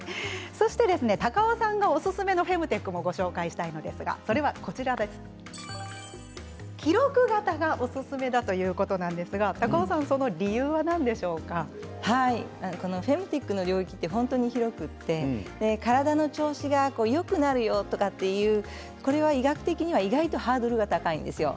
高尾さんがおすすめのフェムテックもご紹介したいんですが、それが記録型がおすすめだということなんですがこのフェムテックの領域は本当に広くて体の調子がよくなるよとかいうこれは医学的には意外とハードルが高いんですよ。